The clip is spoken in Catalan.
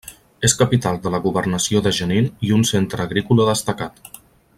És capital de la governació de Jenin i un centra agrícola destacat.